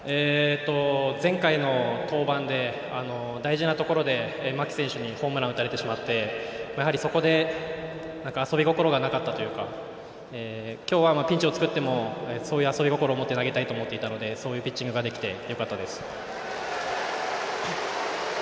前回の登板で大事なところで牧選手にホームラン打たれてしまってそこで遊び心がなかったというか今日はピンチを作ってもそういう遊び心持って投げたいと思っていたのでそういうピッチングができてよかったです。